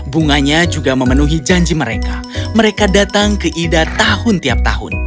bunganya juga memenuhi janji mereka mereka datang ke ida tahun tiap tahun